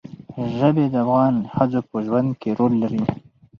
ژبې د افغان ښځو په ژوند کې رول لري.